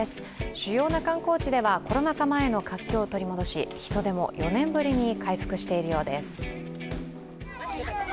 主要な観光地ではコロナ禍前の活気を取り戻し人出も４年ぶりに回復しているようです。